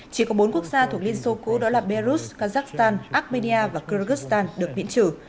chỉ có bốn quốc gia thuộc liên xô cũ đó là belarus kazakhstan armenia và kyrgyzstan được biện chử